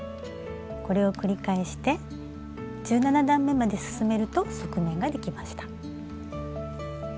これを繰り返して１７段めまで進めると側面ができました。